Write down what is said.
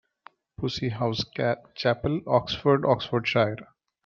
Pusey House Chapel, Oxford, Oxfordshire.